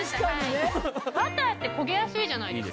バターって焦げやすいじゃないですか。